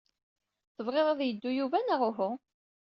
Tebɣiḍ ad yeddu Yuba neɣ uhu?